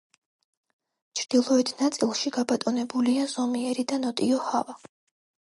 ჩრდილოეთ ნაწილში გაბატონებულია ზომიერი და ნოტიო ჰავა.